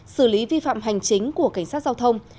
xử lý vi phạm hành chính của cảnh sát giao thông